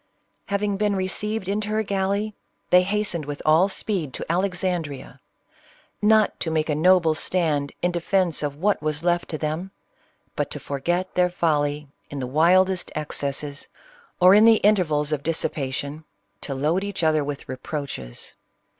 Having been received into her gal ley, they hastened with all speed to Alexandrea, — not to make a noble stand in defence of what was left to them, but to forget their folly in the wildest excesses, or in the intervals of dissipation, to load each other with reproaches.